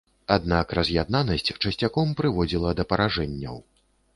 Аднак раз'яднанасць часцяком прыводзіла да паражэнняў.